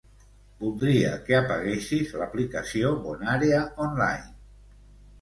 Voldria que apaguessis l'aplicació BonÀrea Online.